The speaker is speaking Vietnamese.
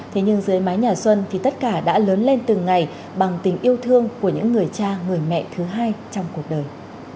thế nhưng dưới mái nhà xuân thì tất cả đã lớn lên từng ngày bằng tình yêu thương của những người cha người mẹ thứ hai trong cuộc đời